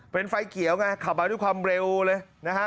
เป็นไฟเขียวไงขับมาด้วยความเร็วเลยนะฮะ